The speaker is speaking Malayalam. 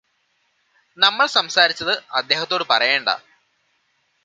നമ്മള് സംസാരിച്ചത് അദ്ദേഹത്തോട് പറയേണ്ട